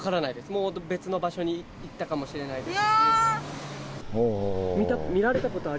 もう別の場所に行ったかもしれないですし。